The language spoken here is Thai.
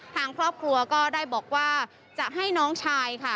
ทางครอบครัวก็ได้บอกว่าจะให้น้องชายค่ะ